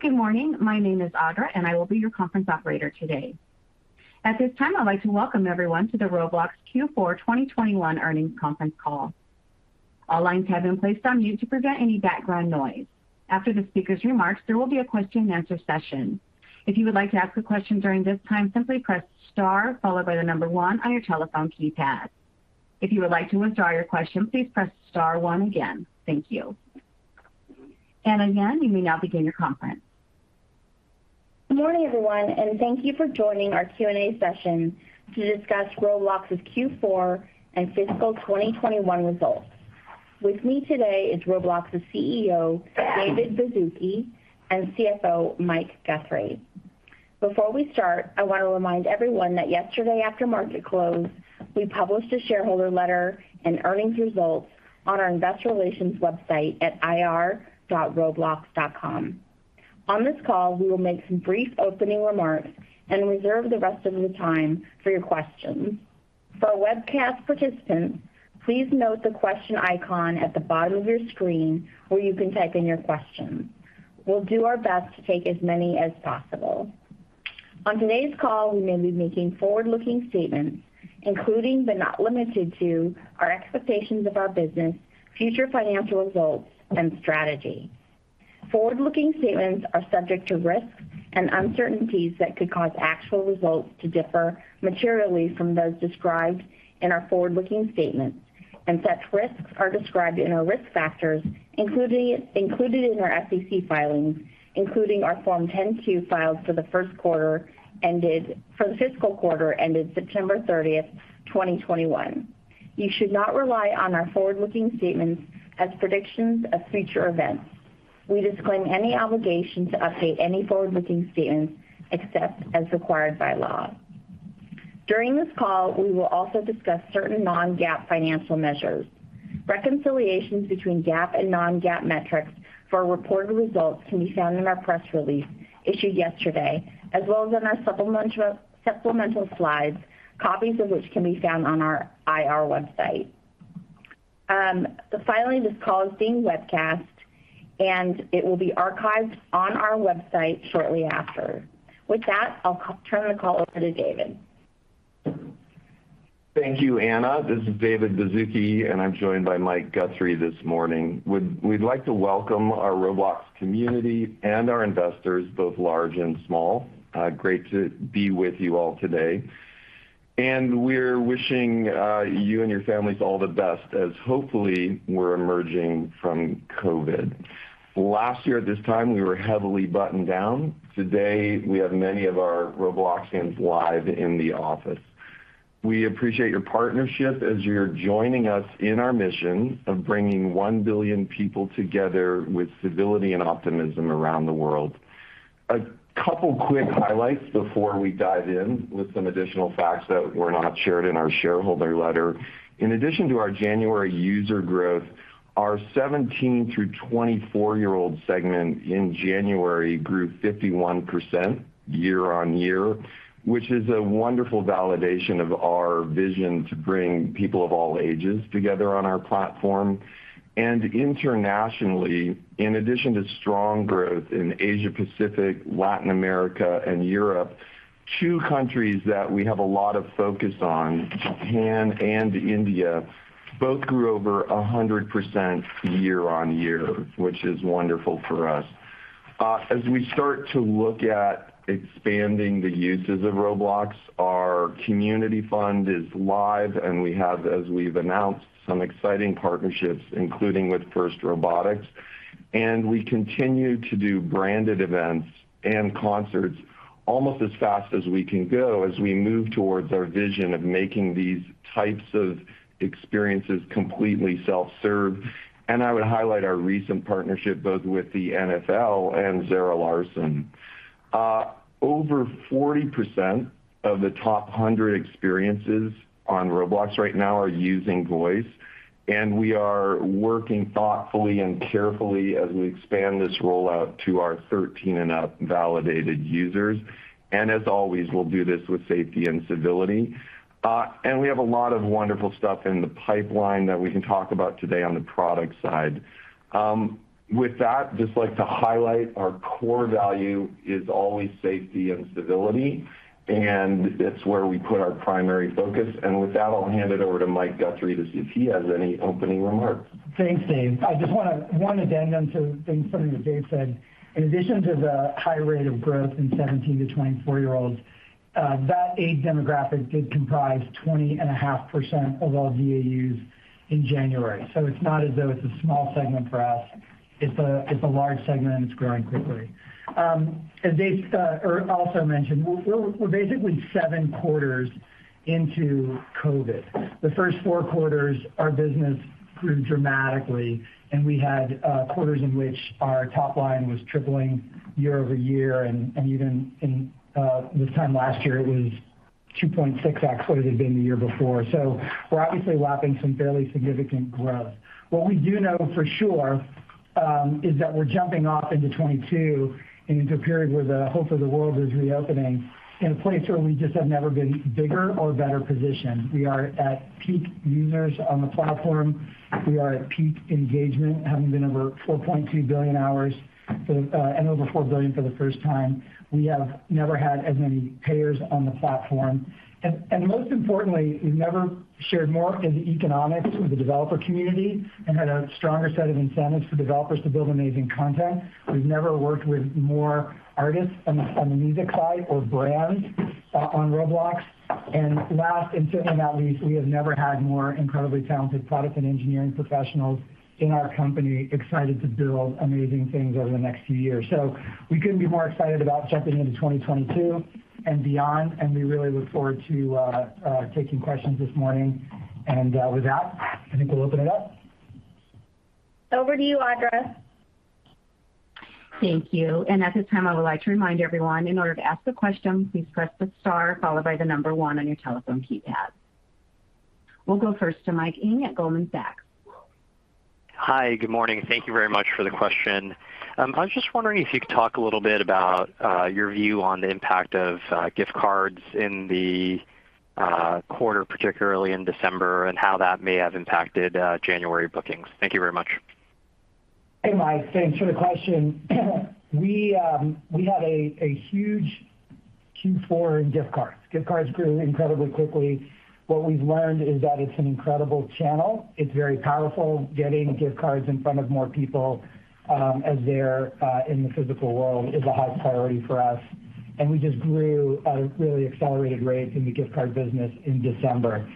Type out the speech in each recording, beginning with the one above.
Good morning. My name is Audra, and I will be your conference operator today. At this time, I'd like to welcome everyone to the Roblox Q4 2021 Earnings Conference Call. All lines have been placed on mute to prevent any background noise. After the speaker's remarks, there will be a question-and-answer session. If you would like to ask a question during this time, simply press star followed by the number one on your telephone keypad. If you would like to withdraw your question, please press star one again. Thank you. Anna Yen, you may now begin your conference. Good morning, everyone, and thank you for joining our Q&A session to discuss Roblox's Q4 and fiscal 2021 results. With me today is Roblox's CEO, David Baszucki, and CFO, Mike Guthrie. Before we start, I want to remind everyone that yesterday after market close, we published a Shareholder Letter and Earnings Results on our Investor Relations website at ir.roblox.com. On this call, we will make some brief opening remarks and reserve the rest of the time for your questions. For webcast participants, please note the Question icon at the bottom of your screen where you can type in your questions. We'll do our best to take as many as possible. On today's call, we may be making forward-looking statements, including, but not limited to our expectations of our business, future financial results, and strategy. Forward-looking statements are subject to risks and uncertainties that could cause actual results to differ materially from those described in our forward-looking statements, and such risks are described in our risk factors included in our SEC filings, including our Form 10-Q filed for the fiscal quarter ended September 30th, 2021. You should not rely on our forward-looking statements as predictions of future events. We disclaim any obligation to update any forward-looking statements except as required by law. During this call, we will also discuss certain non-GAAP financial measures. Reconciliations between GAAP and non-GAAP metrics for reported results can be found in our press release issued yesterday, as well as in our supplemental slides, copies of which can be found on our IR website. Finally, this call is being webcast, and it will be archived on our website shortly after. With that, I'll turn the call over to David. Thank you, Anna. This is David Baszucki, and I'm joined by Mike Guthrie this morning. We'd like to welcome our Roblox community and our investors, both large and small. Great to be with you all today. We're wishing you and your families all the best as hopefully we're emerging from COVID. Last year at this time, we were heavily buttoned down. Today, we have many of our Robloxians live in the office. We appreciate your partnership as you're joining us in our mission of bringing 1 billion people together with civility and optimism around the world. A couple quick highlights before we dive in with some additional facts that were not shared in our Shareholder Letter. In addition to our January user growth, our 17 through 24-year-old segment in January grew 51% year-over-year, which is a wonderful validation of our vision to bring people of all ages together on our platform. Internationally, in addition to strong growth in Asia Pacific, Latin America and Europe, two countries that we have a lot of focus on, Japan and India, both grew over 100% year-over-year, which is wonderful for us. As we start to look at expanding the uses of Roblox, our community fund is live, and we have, as we've announced, some exciting partnerships, including with FIRST Robotics. We continue to do branded events and concerts almost as fast as we can go as we move towards our vision of making these types of experiences completely self-serve. I would highlight our recent partnership both with the NFL and Zara Larsson. Over 40% of the top 100 experiences on Roblox right now are using voice, and we are working thoughtfully and carefully as we expand this rollout to our 13 and up validated users. As always, we'll do this with Safety and Civility. We have a lot of wonderful stuff in the pipeline that we can talk about today on the product side. With that, I'd just like to highlight our core value is always Safety and Civility, and it's where we put our primary focus. With that, I'll hand it over to Mike Guthrie to see if he has any opening remarks. Thanks, Dave. I just want to add one addendum to things, something that Dave said. In addition to the high rate of growth in 17 to 24-year-olds, that age demographic did comprise 20.5% of all DAUs in January. It's not as though it's a small segment for us. It's a large segment, and it's growing quickly. As Dave also mentioned, we're basically seven quarters into COVID. The first four quarters, our business grew dramatically, and we had quarters in which our top line was tripling year-over-year. Even in this time last year, it was 2.6x what it had been the year before. We're obviously lapping some fairly significant growth. What we do know for sure is that we're jumping off into 2022 and into a period where the hope of the world is reopening in a place where we just have never been bigger or better positioned. We are at peak users on the platform. We are at peak engagement, having been over 4.2 billion hours and over 4 billion for the first time. We have never had as many payers on the platform. Most importantly, we've never shared more in the economics with the developer community and had a stronger set of incentives for developers to build amazing content. We've never worked with more artists on the music side or brands on Roblox. Last, and certainly not least, we have never had more incredibly talented product and engineering professionals in our company excited to build amazing things over the next few years. We couldn't be more excited about jumping into 2022 and beyond, and we really look forward to taking questions this morning. With that, I think we'll open it up. Over to you, Audra. Thank you. At this time, I would like to remind everyone, in order to ask the question, please press the star followed by the number one on your telephone keypad. We'll go first to Mike Ng at Goldman Sachs. Hi, good morning. Thank you very much for the question. I was just wondering if you could talk a little bit about your view on the impact of Gift Cards in the quarter, particularly in December, and how that may have impacted January bookings. Thank you very much. Hey, Mike. Thanks for the question. We had a huge Q4 in Gift Cards. Gift Cards grew incredibly quickly. What we've learned is that it's an incredible channel. It's very powerful. Getting Gift Cards in front of more people, as they're in the physical world is a high priority for us, and we just grew at a really accelerated rate in the Gift Card business in December.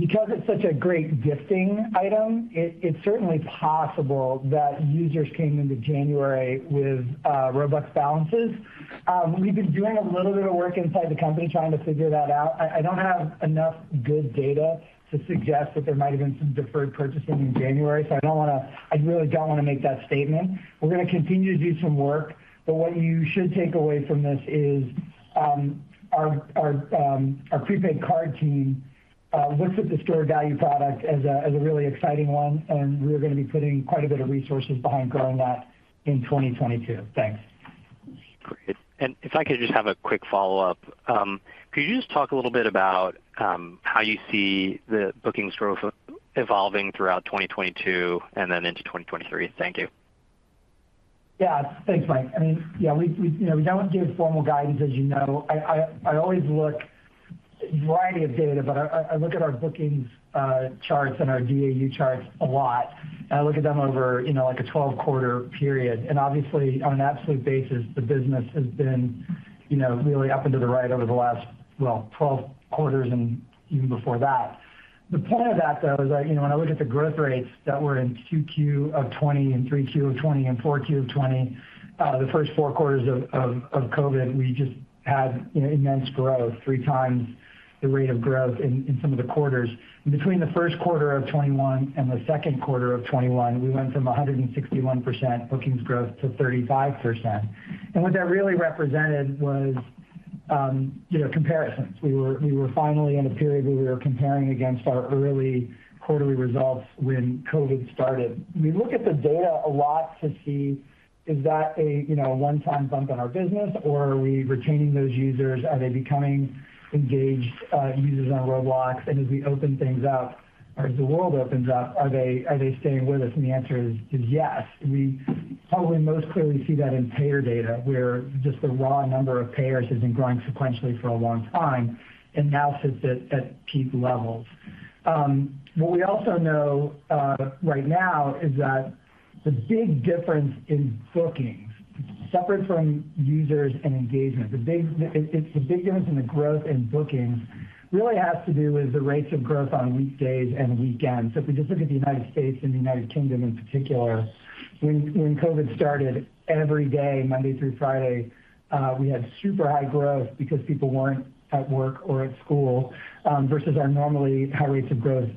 Because it's such a great gifting item, it's certainly possible that users came into January with Robux balances. We've been doing a little bit of work inside the company trying to figure that out. I don't have enough good data to suggest that there might have been some deferred purchasing in January, so I don't wanna. I really don't wanna make that statement. We're gonna continue to do some work, but what you should take away from this is, our prepaid card team looks at the stored value product as a really exciting one, and we're gonna be putting quite a bit of resources behind growing that in 2022. Thanks. Great. If I could just have a quick follow-up. Could you just talk a little bit about how you see the bookings growth evolving throughout 2022 and then into 2023? Thank you. Yeah. Thanks, Mike. I mean, yeah, we you know, we don't give formal guidance, as you know. I always look at a variety of data, but I look at our bookings charts and our DAU charts a lot. I look at them over, you know, like a 12-quarter period. Obviously, on an absolute basis, the business has been, you know, really up and to the right over the last, well, 12 quarters and even before that. The point of that, though, is that, you know, when I look at the growth rates that were in 2Q of 2020 and 3Q of 2020 and 4Q of 2020, the first four quarters of COVID, we just had, you know, immense growth, three times the rate of growth in some of the quarters. Between the first quarter of 2021 and the second quarter of 2021, we went from 161% bookings growth to 35%. What that really represented was, you know, comparisons. We were finally in a period where we were comparing against our early quarterly results when COVID started. We look at the data a lot to see is that a, you know, a one-time bump in our business, or are we retaining those users? Are they becoming engaged users on Roblox? As we open things up or as the world opens up, are they staying with us? The answer is yes. We probably most clearly see that in payer data, where just the raw number of payers has been growing sequentially for a long time and now sits at peak levels. What we also know right now is that the big difference in bookings, separate from users and engagement, is the big difference in the growth in bookings really has to do with the rates of growth on weekdays and weekends. If we just look at the United States and the United Kingdom in particular, when COVID started, every day, Monday through Friday, we had super high growth because people weren't at work or at school, versus our normally high rates of growth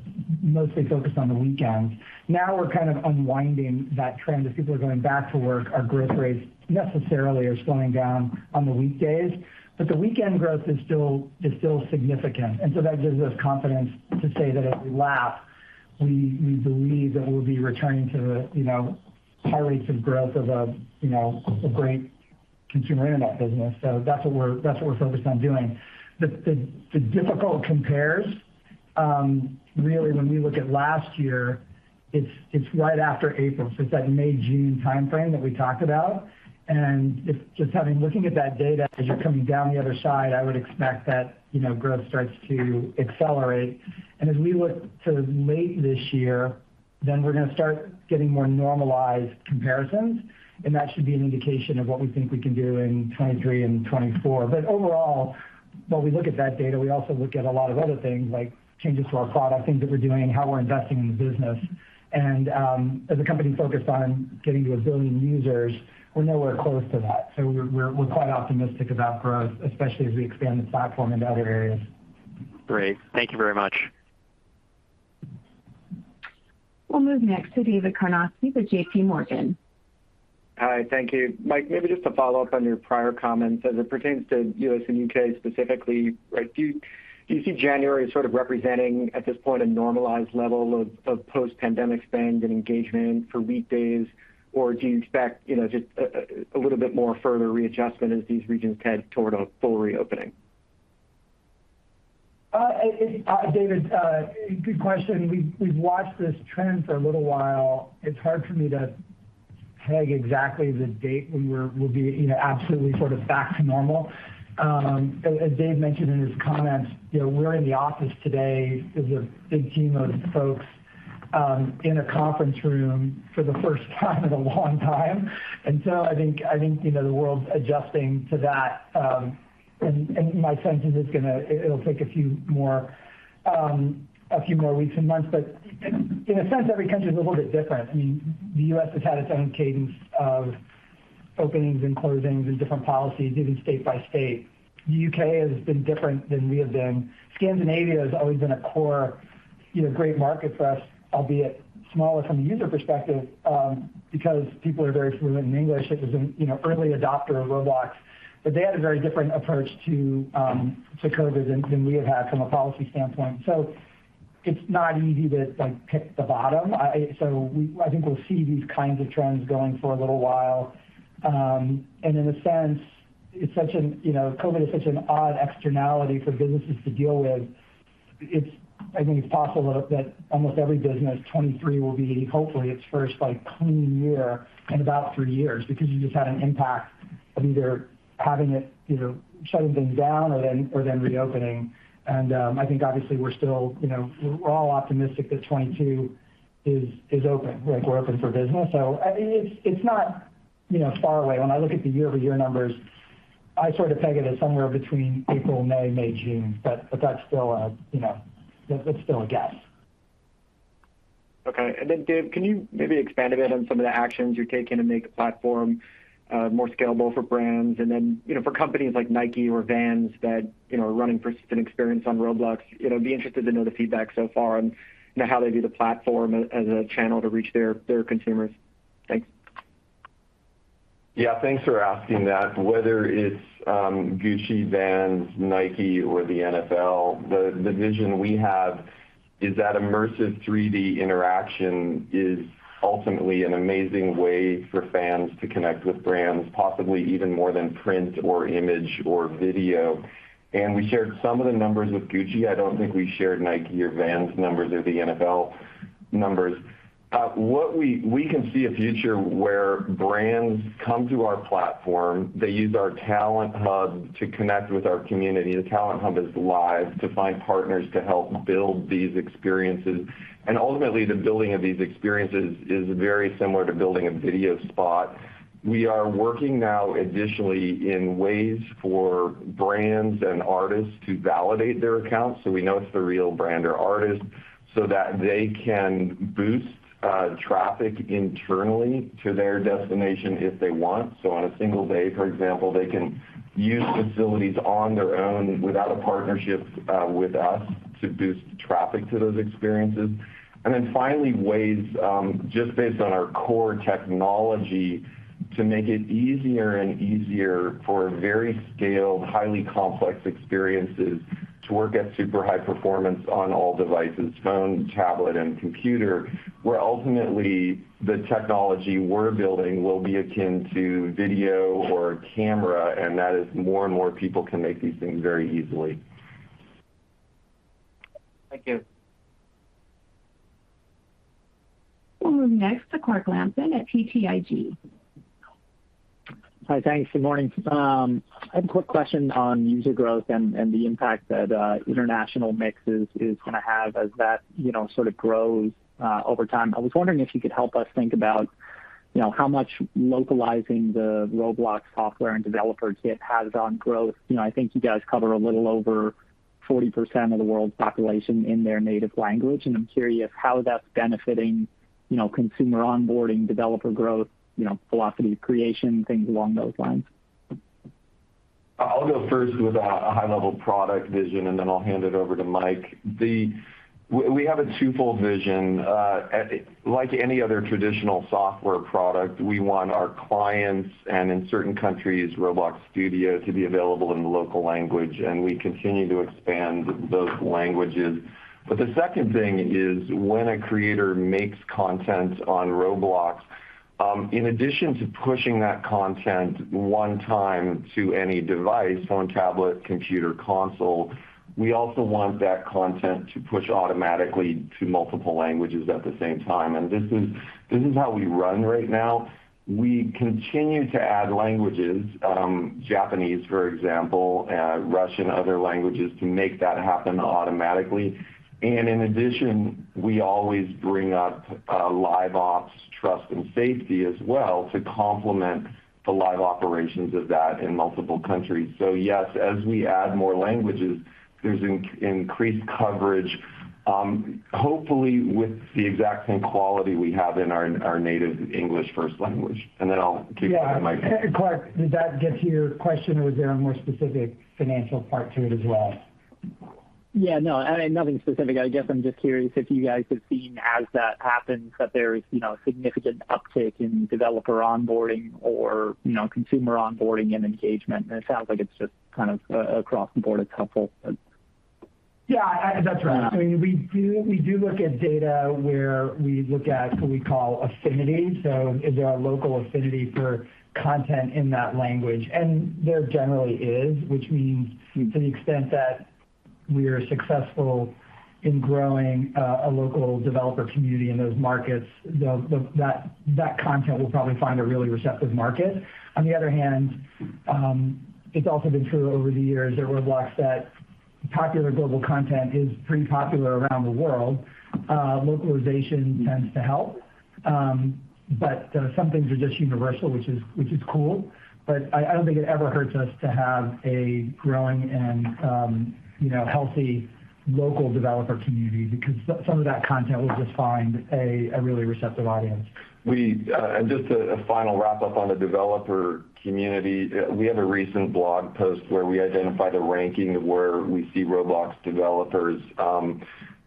mostly focused on the weekends. Now we're kind of unwinding that trend. As people are going back to work, our growth rates necessarily are slowing down on the weekdays, but the weekend growth is still significant. That gives us confidence to say that as we lap, we believe that we'll be returning to, you know, high rates of growth as a, you know, a great consumer internet business. That's what we're focused on doing. The difficult compares, really when we look at last year, it's right after April, so it's that May/June timeframe that we talked about. If you just look at that data as you're coming down the other side, I would expect that, you know, growth starts to accelerate. As we look to late this year, then we're gonna start getting more normalized comparisons, and that should be an indication of what we think we can do in 2023 and 2024. Overall, while we look at that data, we also look at a lot of other things like changes to our product, things that we're doing, and how we're investing in the business. As a company focused on getting to a billion users, we're nowhere close to that. We're quite optimistic about growth, especially as we expand the platform into other areas. Great. Thank you very much. We'll move next to David Karnovsky with JPMorgan. Hi, thank you. Mike, maybe just to follow up on your prior comments as it pertains to U.S. and U.K. specifically, right? Do you see January as sort of representing at this point a normalized level of post-pandemic spend and engagement for weekdays? Or do you expect, you know, just a little bit more further readjustment as these regions head toward a full reopening? David, good question. We've watched this trend for a little while. It's hard for me to peg exactly the date when we'll be, you know, absolutely sort of back to normal. As Dave mentioned in his comments, you know, we're in the office today as a big team of folks, in a conference room for the first time in a long time. I think, you know, the world's adjusting to that. My sense is it'll take a few more weeks and months. In a sense, every country is a little bit different. I mean, the U.S. has had its own cadence of openings and closings and different policies, even state by state. The U.K. has been different than we have been. Scandinavia has always been a core, you know, great market for us, albeit smaller from a user perspective, because people are very fluent in English. It was an, you know, early adopter of Roblox, but they had a very different approach to COVID than we have had from a policy standpoint. It's not easy to, like, pick the bottom. I think we'll see these kinds of trends going for a little while. In a sense, it's such an, you know, COVID is such an odd externality for businesses to deal with. I think it's possible that almost every business 2023 will be hopefully its first, like, clean year in about three years, because you just had an impact of either having it, you know, shutting things down or then reopening. I think obviously we're still, we're all optimistic that 2022 is open, like we're open for business. I mean, it's not far away. When I look at the year-over-year numbers, I sort of peg it as somewhere between April-May, May-June, but that's still a guess. Okay. Then Dave, can you maybe expand a bit on some of the actions you're taking to make the platform more scalable for brands? You know, for companies like Nike or Vans that, you know, are running an experience on Roblox, you know, I'd be interested to know the feedback so far on, you know, how they view the platform as a channel to reach their consumers. Thanks. Yeah, thanks for asking that. Whether it's Gucci, Vans, Nike or the NFL, the vision we have is that immersive 3D interaction is ultimately an amazing way for fans to connect with brands, possibly even more than print or image or video. We shared some of the numbers with Gucci. I don't think we shared Nike or Vans numbers or the NFL numbers. We can see a future where brands come to our platform, they use our Talent Hub to connect with our community. The Talent Hub is live to find partners to help build these experiences, and ultimately the building of these experiences is very similar to building a video spot. We are working now additionally in ways for brands and artists to validate their accounts, so we know it's the real brand or artist, so that they can boost traffic internally to their destination if they want. On a single day, for example, they can use facilities on their own without a partnership with us to boost traffic to those experiences. Finally, ways just based on our core technology to make it easier and easier for very scaled, highly complex experiences to work at super high performance on all devices, phone, tablet, and computer, where ultimately the technology we're building will be akin to video or camera, and that is more and more people can make these things very easily. Thank you. We'll move next to Clark Lampen at BTIG. Hi. Thanks. Good morning. I have a quick question on user growth and the impact that international mixes is gonna have as that, you know, sort of grows over time. I was wondering if you could help us think about, you know, how much localizing the Roblox software and developer kit has on growth. You know, I think you guys cover a little over 40% of the world's population in their native language, and I'm curious how that's benefiting, you know, consumer onboarding, developer growth, you know, velocity of creation, things along those lines. I'll go first with a high-level product vision, and then I'll hand it over to Mike. We have a twofold vision. Like any other traditional software product, we want our clients, and in certain countries, Roblox Studio, to be available in the local language, and we continue to expand those languages. The second thing is, when a creator makes content on Roblox, in addition to pushing that content one time to any device, phone, tablet, computer, console, we also want that content to push automatically to multiple languages at the same time. This is how we run right now. We continue to add languages, Japanese for example, Russian, other languages, to make that happen automatically. In addition, we always bring up LiveOps trust and safety as well to complement the live operations of that in multiple countries. Yes, as we add more languages, there's increased coverage, hopefully with the exact same quality we have in our native English first language. Then I'll kick it to Mike. Yeah. Clark, did that get to your question or was there a more specific financial part to it as well? Yeah, no, I mean, nothing specific. I guess I'm just curious if you guys have seen, as that happens, that there is, you know, a significant uptick in developer Onboarding or, you know, consumer Onboarding and engagement. It sounds like it's just kind of across the board. It's helpful. Yeah, that's right. I mean, we do look at data where we look at what we call affinity. Is there a local affinity for content in that language? There generally is, which means to the extent that we are successful in growing a local developer community in those markets, that content will probably find a really receptive market. On the other hand, it's also been true over the years at Roblox that popular global content is pretty popular around the world. Localization tends to help. Some things are just universal, which is cool. I don't think it ever hurts us to have a growing and, you know, healthy local developer community because some of that content will just find a really receptive audience. We have a final wrap-up on the developer community. We have a recent blog post where we identify the ranking of where we see Roblox developers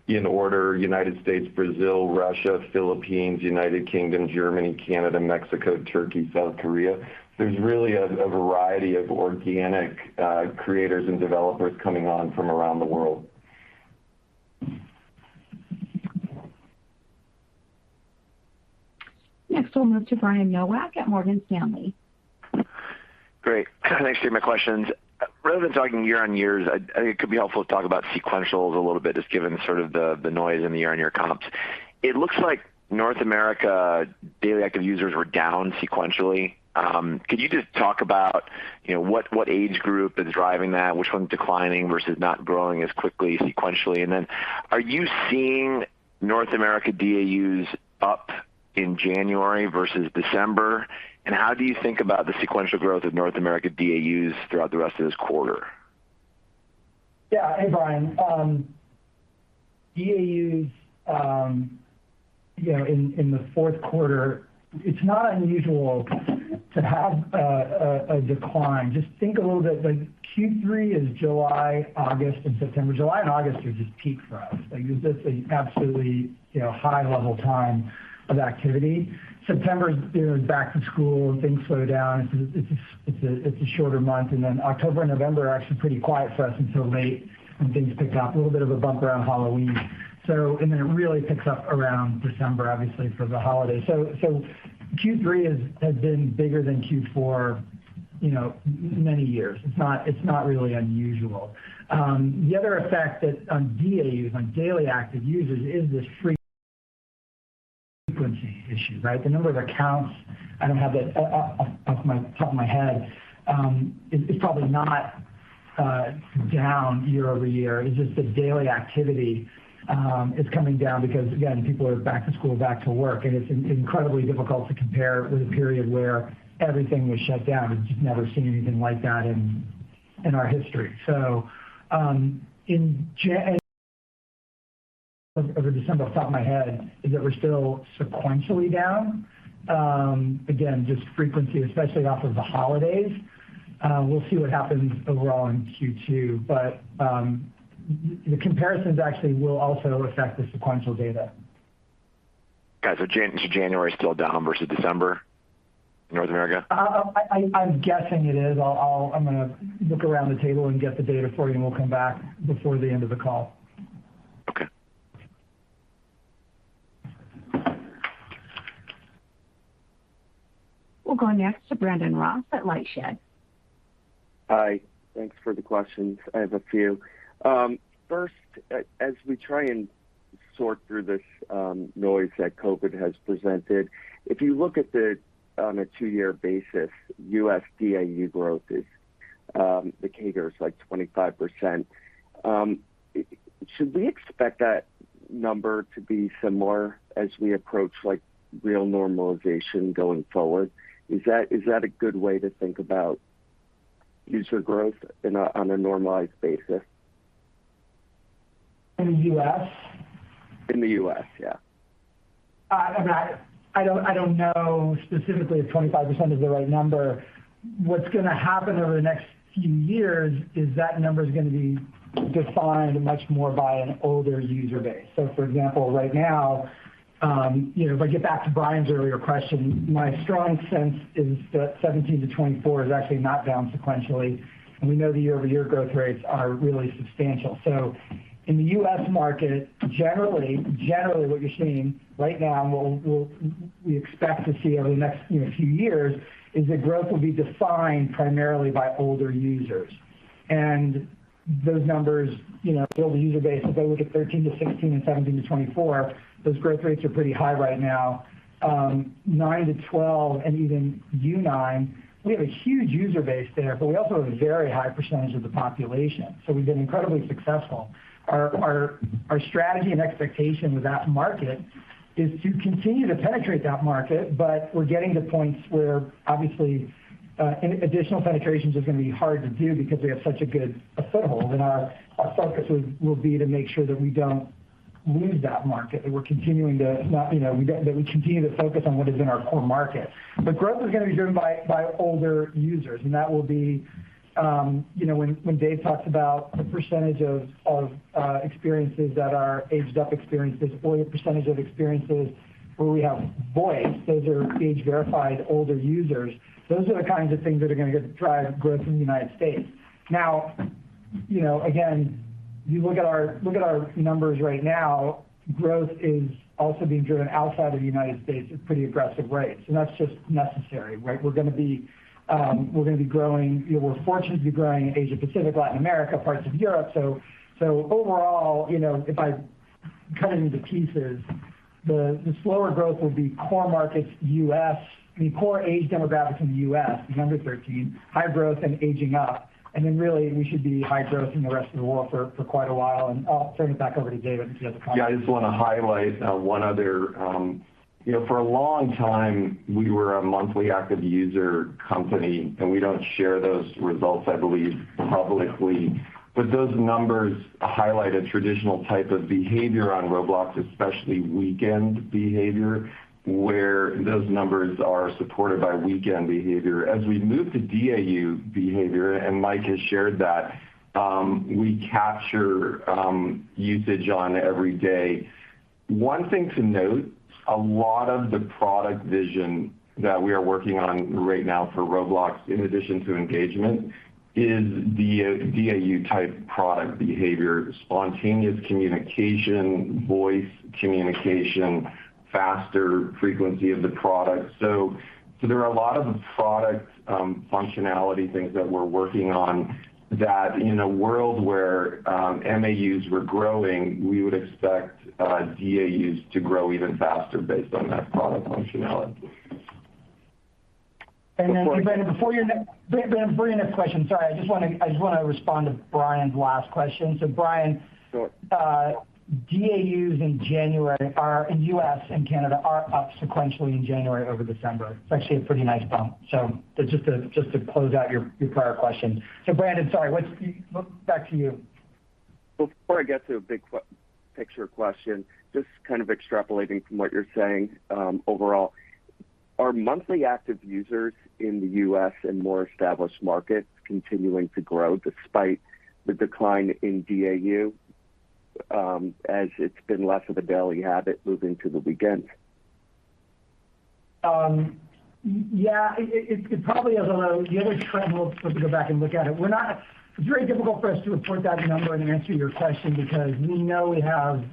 in order: United States, Brazil, Russia, Philippines, United Kingdom, Germany, Canada, Mexico, Turkey, South Korea. There's really a variety of organic creators and developers coming on from around the world. Next, we'll move to Brian Nowak at Morgan Stanley. Great. Thanks for taking my questions. Rather than talking year-on-years, it could be helpful to talk about sequentials a little bit, just given sort of the noise in the year-on-year comps. It looks like North America daily active users were down sequentially. Could you just talk about, you know, what age group is driving that? Which one's declining versus not growing as quickly sequentially? And then are you seeing North America DAUs up in January versus December? And how do you think about the sequential growth of North America DAUs throughout the rest of this quarter? Yeah. Hey, Brian. DAUs, you know, in the fourth quarter, it's not unusual to have a decline. Just think a little bit like Q3 is July, August and September. July and August are just peak for us. Like, it's just an absolutely, you know, high level time of activity. September is, you know, back to school, things slow down. It's a shorter month. Then October and November are actually pretty quiet for us until late when things pick up. A little bit of a bump around Halloween. Then it really picks up around December, obviously for the holidays. So Q3 has been bigger than Q4, you know, many years. It's not really unusual. The other effect that on DAUs, on daily active users is this frequency issue, right? The number of accounts, I don't have that off my top of my head, is probably not down year-over-year. It's just the daily activity is coming down because again, people are back to school, back to work, and it's incredibly difficult to compare with a period where everything was shut down. We've just never seen anything like that in our history. In January or December off the top of my head, is that we're still sequentially down. Again, just frequency, especially off of the holidays. We'll see what happens overall in Q2. The comparisons actually will also affect the sequential data. January is still down versus December in North America? I'm guessing it is. I'll look around the table and get the data for you, and we'll come back before the end of the call. Okay. We'll go next to Brandon Ross at LightShed. Hi. Thanks for the questions. I have a few. First, as we try and sort through this noise that COVID has presented, if you look at the on a two-year basis, U.S. DAU growth is the latter is like 25%. Should we expect that number to be similar as we approach like real normalization going forward? Is that a good way to think about user growth on a normalized basis? In the U.S.? In the U.S., yeah. I mean, I don't know specifically if 25% is the right number. What's gonna happen over the next few years is that number is gonna be defined much more by an older user base. For example, right now, you know, if I get back to Brian's earlier question, my strong sense is that 17%-24% is actually not down sequentially. We know the year-over-year growth rates are really substantial. In the U.S. market, generally what you're seeing right now and we expect to see over the next, you know, few years is that growth will be defined primarily by older users. Those numbers, you know, build a user base. If I look at 13%-16% and 17%-24%, those growth rates are pretty high right now. 9%-12% and even under 9%, we have a huge user base there, but we also have a very high percentage of the population. We've been incredibly successful. Our strategy and expectation with that market is to continue to penetrate that market, but we're getting to points where obviously, any additional penetration is gonna be hard to do because we have such a good foothold, and our focus will be to make sure that we don't lose that market and that we continue to focus on what is in our core market. Growth is gonna be driven by older users, and that will be, you know, when Dave talks about the percentage of experiences that are aged up experiences or your percentage of experiences where we have voice, those are age-verified older users. Those are the kinds of things that are gonna get to drive growth in the United States. Now, you know, again, you look at our numbers right now, growth is also being driven outside of the United States at pretty aggressive rates, and that's just necessary, right? We're gonna be growing. We're fortunate to be growing in Asia Pacific, Latin America, parts of Europe. So overall, you know, if I cut it into pieces, the slower growth will be core markets, U.S. I mean, core age demographics in the U.S., under 13, high growth and aging up. Then really, we should be high growth in the rest of the world for quite a while. I'll turn it back over to David to get the context. Yeah, I just want to highlight one other. You know, for a long time, we were a monthly active user company, and we don't share those results, I believe, publicly. Those numbers highlight a traditional type of behavior on Roblox, especially weekend behavior, where those numbers are supported by weekend behavior. As we move to DAU behavior, and Mike has shared that, we capture usage on every day. One thing to note, a lot of the product vision that we are working on right now for Roblox, in addition to engagement, is the DAU-type product behavior, spontaneous communication, voice communication, faster frequency of the product. So, there are a lot of product functionality things that we're working on that in a world where MAUs were growing, we would expect DAUs to grow even faster based on that product functionality. Brandon, before your next question. Sorry, I just wanna respond to Brian's last question. Brian, DAUs in January in U.S. and Canada are up sequentially in January over December. It's actually a pretty nice bump. Just to close out your prior question. Brandon, sorry. Back to you. Before I get to a big picture question, just kind of extrapolating from what you're saying, overall, are monthly active users in the U.S. and more established markets continuing to grow despite the decline in DAU, as it's been less of a daily habit moving to the weekend? The other trend, we'll have to go back and look at it. It's very difficult for us to report that number and answer your question because we know we have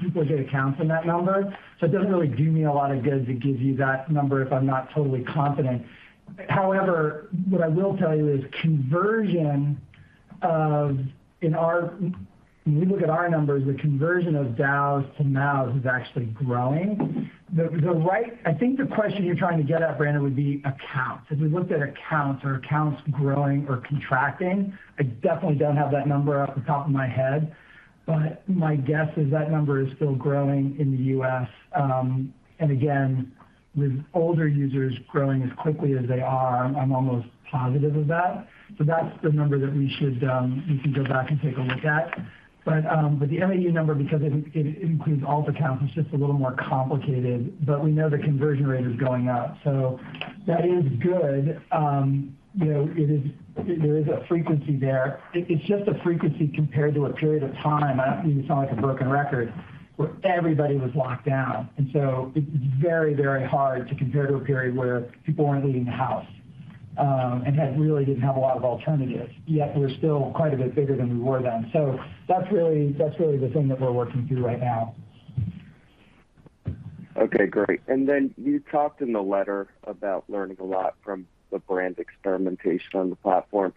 duplicate accounts in that number. So it doesn't really do me a lot of good to give you that number if I'm not totally confident. However, what I will tell you is, when you look at our numbers, the conversion of DAUs to MAUs is actually growing. I think the question you're trying to get at, Brandon, would be accounts. If we looked at accounts growing or contracting, I definitely don't have that number off the top of my head, but my guess is that number is still growing in the U.S., and again, with older users growing as quickly as they are, I'm almost positive of that. That's the number that we can go back and take a look at. The MAU number, because it includes all the accounts, it's just a little more complicated, but we know the conversion rate is going up. That is good. You know, there is a frequency there. It's just a frequency compared to a period of time, and I sound like a broken record, where everybody was locked down. It's very, very hard to compare to a period where people weren't leaving the house, and really didn't have a lot of alternatives. Yet we're still quite a bit bigger than we were then. That's really the thing that we're working through right now. Okay, great. Then you talked in the letter about learning a lot from the brand experimentation on the platform.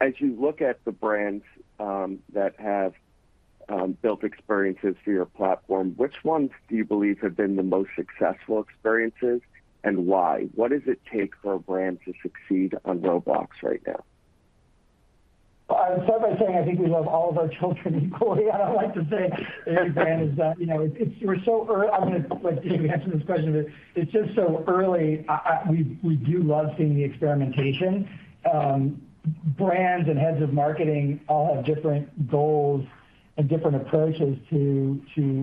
As you look at the brands that have built experiences for your platform, which ones do you believe have been the most successful experiences and why? What does it take for a brand to succeed on Roblox right now? I would start by saying I think we love all of our children equally. I like to say every brand is that, you know. I'm gonna let David answer this question, but it's just so early. We do love seeing the experimentation. Brands and Heads of Marketing all have different goals and different approaches to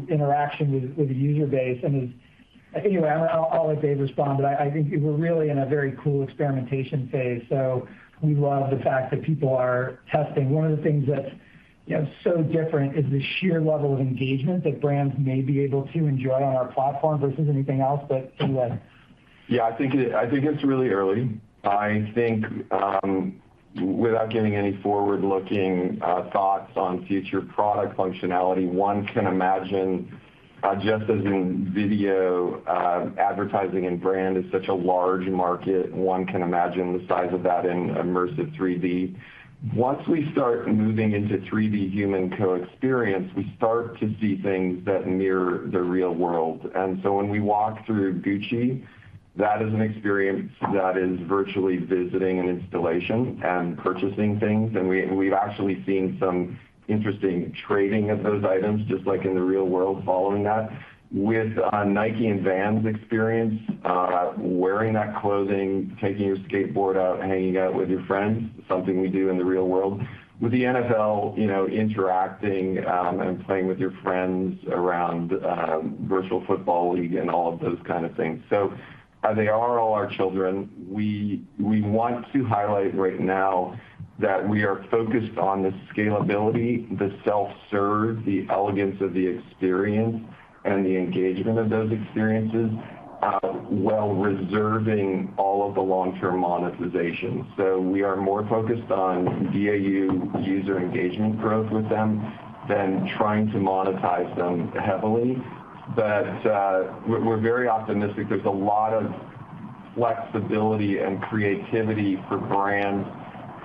interaction with the user base. Anyway, I'll let David respond, but I think we're really in a very cool experimentation phase. We love the fact that people are testing. One of the things that, you know, is so different is the sheer level of engagement that brands may be able to enjoy on our platform versus anything else. Anyway. Yeah, I think it's really early. I think, without giving any forward-looking thoughts on future product functionality, one can imagine, just as in video, advertising and branding is such a large market, one can imagine the size of that in immersive 3D. Once we start moving into 3D human co-experience, we start to see things that mirror the real world. When we walk through Gucci, that is an experience that is virtually visiting an installation and purchasing things. We've actually seen some interesting trading of those items, just like in the real world following that. With Nike and Vans experience, wearing that clothing, taking your skateboard out, hanging out with your friends, something we do in the real world. With the NFL, you know, interacting and playing with your friends around virtual football league and all of those kind of things. They are all our children. We want to highlight right now that we are focused on the scalability, the self-serve, the elegance of the experience, and the engagement of those experiences, while reserving all of the long-term monetization. We are more focused on DAU user engagement growth with them than trying to monetize them heavily. We're very optimistic. There's a lot of flexibility and creativity for brands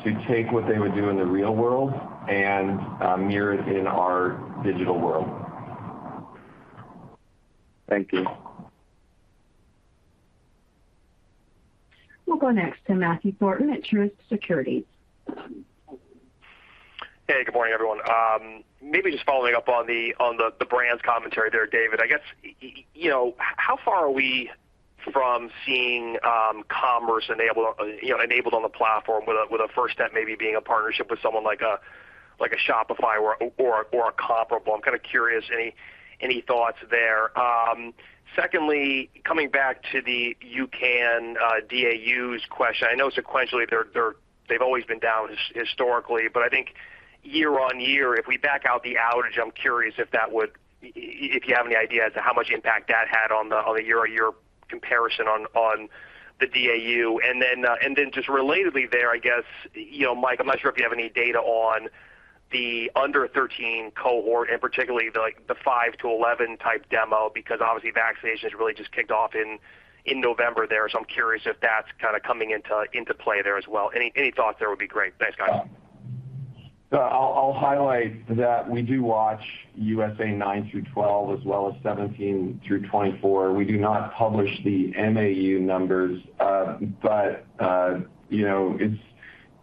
to take what they would do in the real world and mirror it in our digital world. Thank you. We'll go next to Matthew Thornton at Truist Securities. Hey, good morning, everyone. Maybe just following up on the brands commentary there, David. I guess you know how far are we from seeing commerce enabled on the platform with a first step maybe being a partnership with someone like a Shopify or a comparable? I'm kind of curious. Any thoughts there? Secondly, coming back to the UCAN DAUs question. I know sequentially they've always been down historically, but I think year-on-year, if we back out the outage, I'm curious if that would. If you have any idea as to how much impact that had on the year-on-year comparison on the DAU. Just relatedly there, I guess, you know, Mike, I'm not sure if you have any data on the under 13 cohort and particularly the, like, the 5 to 11 type demo, because obviously vaccination has really just kicked off in November there. I'm curious if that's kind of coming into play there as well. Any thoughts there would be great. Thanks, guys. I'll highlight that we do watch USA 9-12 as well as 17-24. We do not publish the MAU numbers, but you know,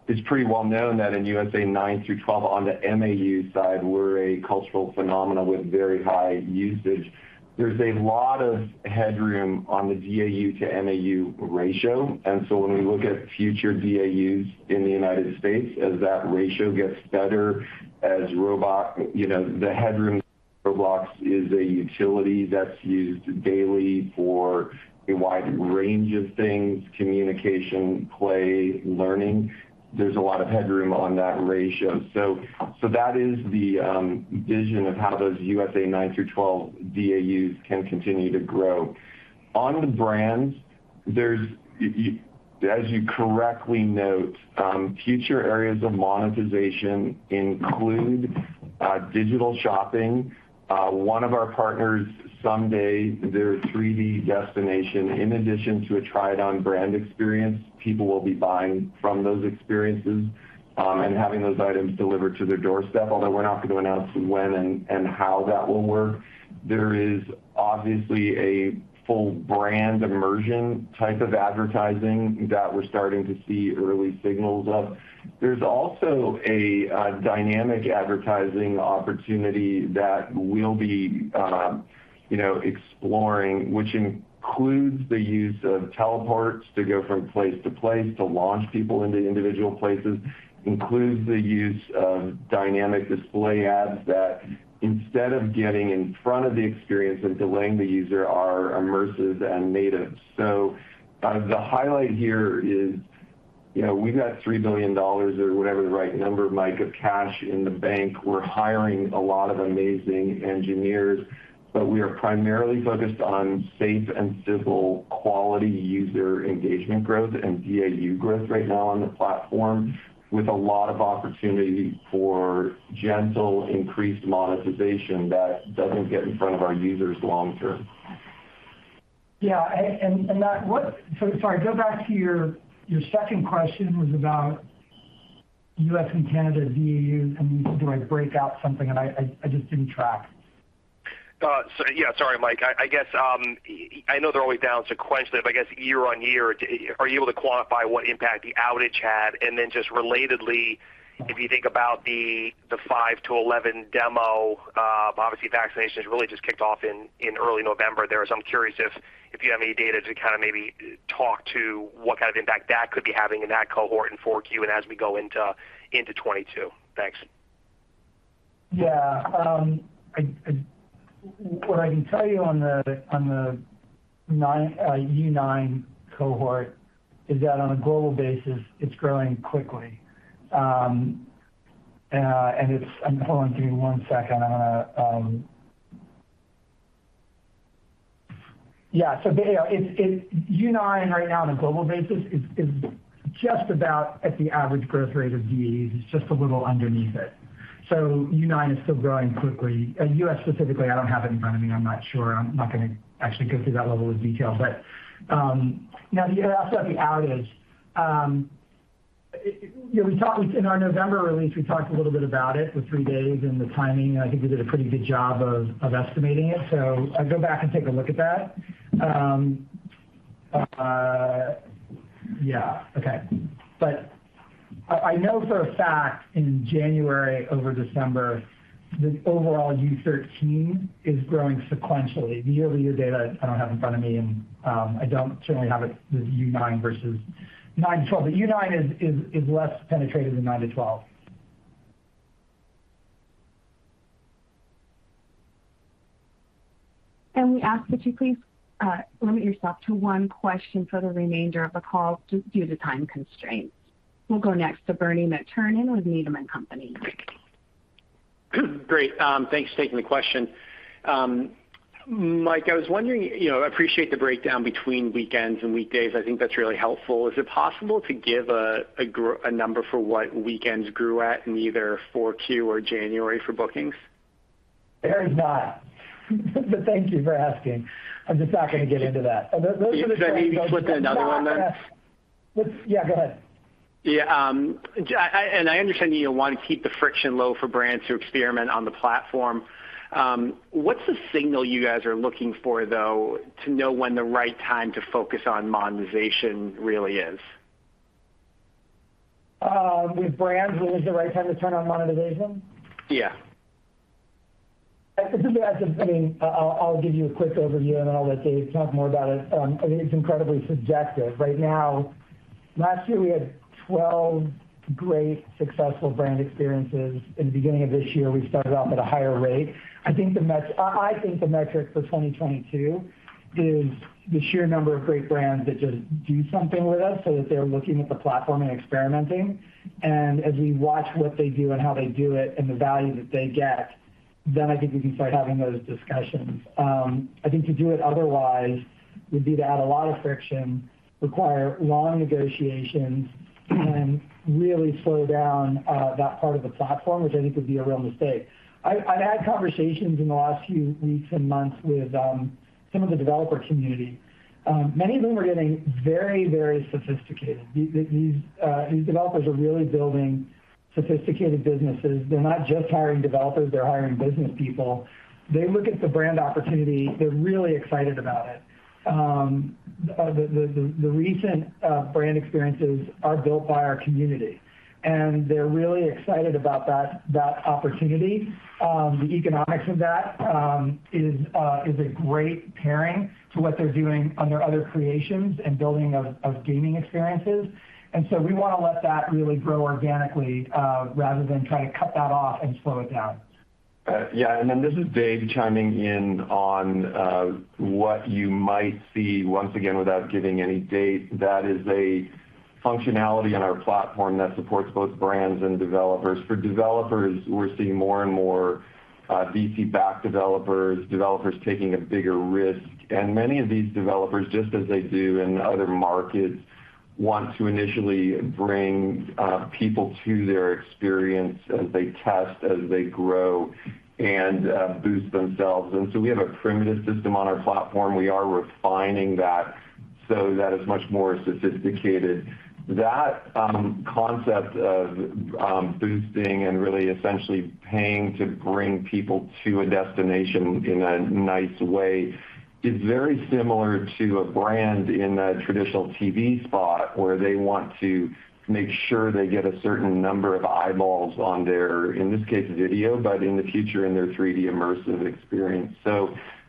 it's pretty well known that in USA 9-12 on the MAU side, we're a cultural phenomena with very high usage. There's a lot of headroom on the DAU to MAU ratio. When we look at future DAUs in the United States, as that ratio gets better, as Roblox, you know, the headroom for Roblox is a utility that's used daily for a wide range of things: communication, play, learning. There's a lot of headroom on that ratio. That is the vision of how those USA 9-12 DAUs can continue to grow. On the brands, there's, as you correctly note, future areas of monetization include digital shopping. One of our partners, Sun Day, their 3D destination, in addition to a try it on brand experience, people will be buying from those experiences, and having those items delivered to their doorstep, although we're not going to announce when and how that will work. There is obviously a full brand immersion type of advertising that we're starting to see early signals of. There's also a dynamic advertising opportunity that we'll be, you know, exploring, which includes the use of teleports to go from place to place to launch people into individual places, includes the use of dynamic display ads that instead of getting in front of the experience and delaying the user are immersive and native. The highlight here is, you know, we've got $3 billion or whatever the right number, Mike, of cash in the bank. We're hiring a lot of amazing engineers, but we are primarily focused on safe and civil quality user engagement growth and DAU growth right now on the platform with a lot of opportunity for gentle increased monetization that doesn't get in front of our users long term. Yeah. So sorry. Go back to your second question was about U.S. and Canada DAU, and do I break out something? I just didn't track. Sorry, Mike. I guess I know they're always down sequentially, but I guess year-over-year, are you able to quantify what impact the outage had? Just relatedly, if you think about the 5-11 demo, obviously vaccination has really just kicked off in early November there. I'm curious if you have any data to kind of maybe talk to what kind of impact that could be having in that cohort in 4Q and as we go into 2022. Thanks. Yeah. What I can tell you on the U9 cohort is that on a global basis, it's growing quickly. You know, U9 right now on a global basis is just about at the average growth rate of DAUs. It's just a little underneath it. U9 is still growing quickly. U.S. specifically, I don't have it in front of me. I'm not sure. I'm not gonna actually go through that level of detail. Now you also have the outage. Yeah, in our November release, we talked a little bit about it, the three days and the timing, and I think we did a pretty good job of estimating it. I'd go back and take a look at that. I know for a fact in January over December, the overall U13 is growing sequentially. The year-over-year data, I don't have in front of me, and I certainly don't have it the U9 versus 9 to 12. U9 is less penetrated than 9 to 12. We ask that you please limit yourself to one question for the remainder of the call due to time constraints. We'll go next to Bernie McTernan with Needham & Company. Great. Thanks for taking the question. Mike, I was wondering. You know, I appreciate the breakdown between weekends and weekdays. I think that's really helpful. Is it possible to give a number for what weekends grew at in either 4Q or January for bookings? It is not. Thank you for asking. I'm just not gonna get into that. Those are the types of. Maybe you can put in another one then? Yeah, go ahead. I understand you want to keep the friction low for brands to experiment on the platform. What's the signal you guys are looking for, though, to know when the right time to focus on monetization really is? With brands, when is the right time to turn on monetization? Yeah. This is actually I mean, I'll give you a quick overview, and then I'll let Dave talk more about it. I think it's incredibly subjective. Right now last year, we had 12 great successful brand experiences. In the beginning of this year, we started off at a higher rate. I think the metric for 2022 is the sheer number of great brands that just do something with us so that they're looking at the platform and experimenting. As we watch what they do and how they do it and the value that they get, then I think we can start having those discussions. I think to do it otherwise would be to add a lot of friction, require long negotiations, and really slow down that part of the platform, which I think would be a real mistake. I've had conversations in the last few weeks and months with some of the developer community. Many of them are getting very sophisticated. These developers are really building sophisticated businesses. They're not just hiring developers, they're hiring business people. They look at the brand opportunity, they're really excited about it. The recent brand experiences are built by our community, and they're really excited about that opportunity. The economics of that is a great pairing to what they're doing on their other creations and building of gaming experiences. We wanna let that really grow organically rather than trying to cut that off and slow it down. Yeah. This is David chiming in on what you might see once again without giving any date. That is a functionality on our platform that supports both brands and developers. For developers, we're seeing more and more VC-backed developers taking a bigger risk. Many of these developers, just as they do in other markets, want to initially bring people to their experience as they test, as they grow and boost themselves. We have a primitive system on our platform. We are refining that so that it's much more sophisticated. That concept of boosting and really essentially paying to bring people to a destination in a nice way is very similar to a brand in a traditional TV spot, where they want to make sure they get a certain number of eyeballs on their, in this case, video, but in the future, in their 3D immersive experience.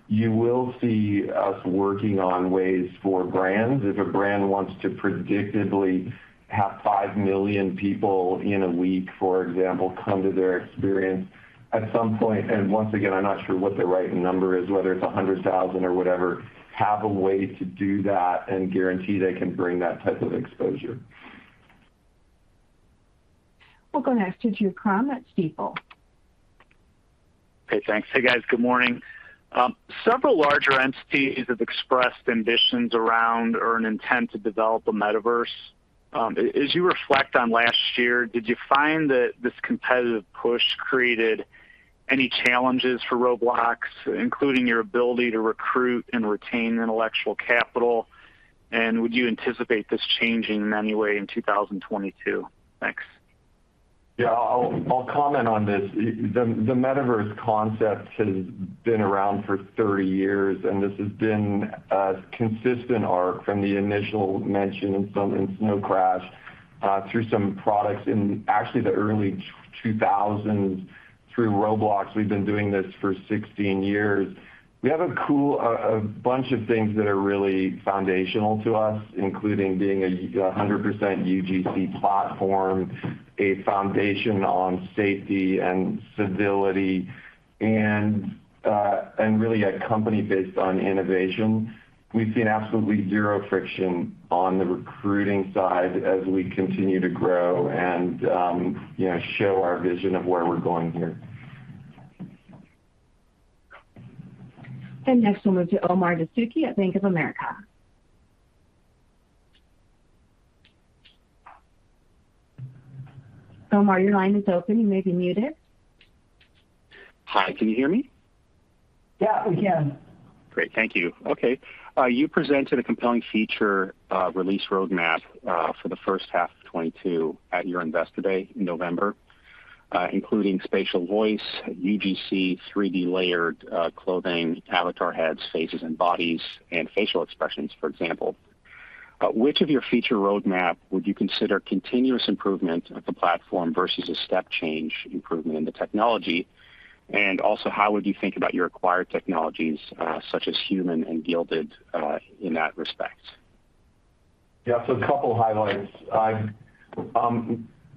You will see us working on ways for brands, if a brand wants to predictably have 5 million people in a week, for example, come to their experience at some point. Once again, I'm not sure what the right number is, whether it's 100,000 or whatever, have a way to do that and guarantee they can bring that type of exposure. We'll go next to Drew Crum at Stifel. Okay, thanks. Hey, guys. Good morning. Several larger entities have expressed ambitions around or an intent to develop a metaverse. As you reflect on last year, did you find that this competitive push created any challenges for Roblox, including your ability to recruit and retain intellectual capital? Would you anticipate this changing in any way in 2022? Thanks. Yeah. I'll comment on this. The metaverse concept has been around for 30 years, and this has been a consistent arc from the initial mention in Snow Crash, through some products in actually the early 2000s. Through Roblox, we've been doing this for 16 years. We have a bunch of things that are really foundational to us, including being a 100% UGC platform, a foundation on Safety and Civility, and really a company based on innovation. We've seen absolutely zero friction on the recruiting side as we continue to grow and, you know, show our vision of where we're going here. Next, we'll move to Omar Dessouky at Bank of America. Omar, your line is open. You may be muted. Hi. Can you hear me? Yeah, we can. Great. Thank you. You presented a compelling feature release roadmap for the first half of 2022 at your Investor Day in November, including Spatial Voice, UGC, 3D Layered Clothing, Avatar heads, faces and bodies, and facial expressions, for example. Which of your feature roadmap would you consider continuous improvement of the platform versus a step change improvement in the technology? Also, how would you think about your acquired technologies, such as Loom.ai and Guilded, in that respect? Yeah. A couple highlights.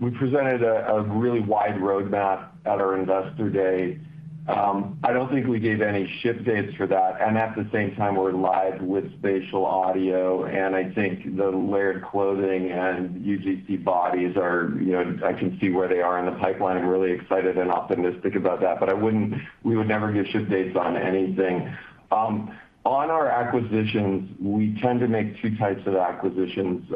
We presented a really wide roadmap at our investor day. I don't think we gave any ship dates for that, and at the same time we're live with Spatial Voice and I think the Layered Clothing and UGC bodies are, you know, I can see where they are in the pipeline. I'm really excited and optimistic about that. We would never give ship dates on anything. On our acquisitions, we tend to make two types of acquisitions.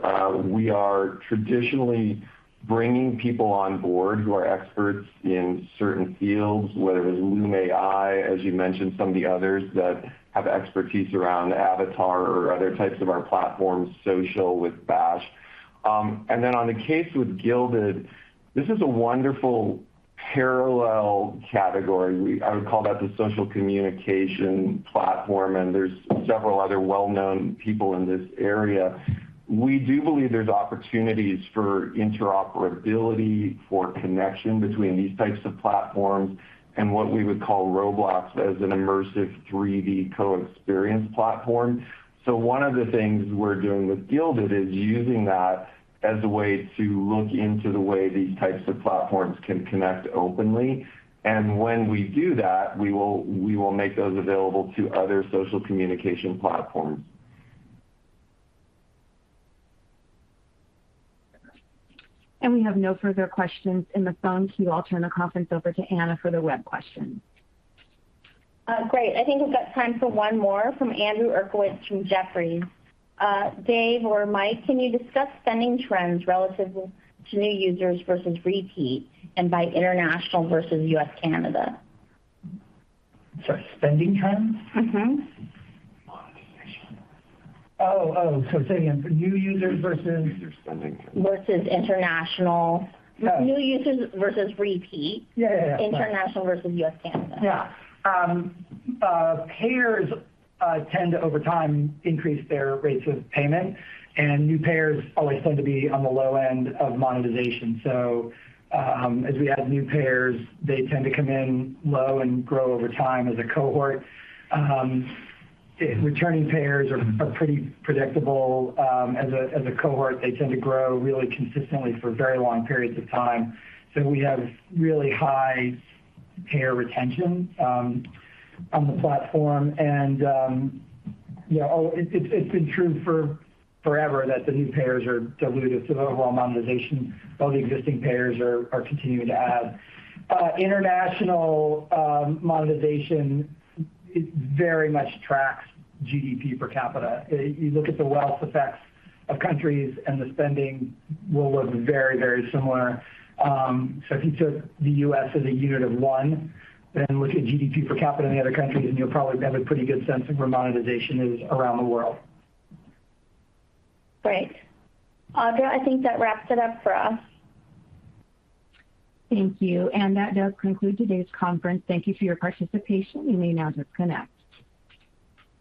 We are traditionally bringing people on board who are experts in certain fields, whether it is Loom.ai, as you mentioned, some of the others that have expertise around Avatar or other types of our platforms, social with Bash. Then on the case with Guilded, this is a wonderful parallel category. I would call that the social communication platform, and there's several other well-known people in this area. We do believe there's opportunities for interoperability, for connection between these types of platforms and what we would call Roblox as an immersive 3D co-experience platform. One of the things we're doing with Guilded is using that as a way to look into the way these types of platforms can connect openly. When we do that, we will make those available to other social communication platforms. We have no further questions in the phone queue. I'll turn the conference over to Anna for the web questions. Great. I think we've got time for one more from Andrew Uerkwitz from Jefferies. Dave or Mike, can you discuss spending trends relative to new users versus repeat and by international versus U.S.-Canada? Sorry, spending trends? Mm-hmm. Say again, for new users versus? Versus international. New users versus repeat. International versus U.S.-Canada. Yeah. Payers tend to over time increase their rates of payment, and new payers always tend to be on the low end of monetization. As we add new payers, they tend to come in low and grow over time as a cohort. Returning payers are pretty predictable. As a cohort, they tend to grow really consistently for very long periods of time. We have really high payer retention on the platform. You know, it's been true for forever that the new payers are dilutive to the overall monetization, all the existing payers are continuing to add. International monetization. It very much tracks GDP per capita. You look at the wealth effects of countries and the spending will look very, very similar. If you took the U.S. as a unit of one, then look at GDP per capita in the other countries, and you'll probably have a pretty good sense of where monetization is around the world. Great. Audra, I think that wraps it up for us. Thank you. That does conclude today's conference. Thank you for your participation. You may now disconnect.